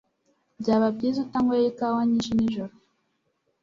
Byaba byiza utanyweye ikawa nyinshi nijoro